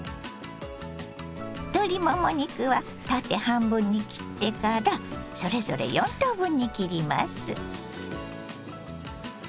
鶏もも肉は縦半分に切ってからそれぞれ４等分に切ります。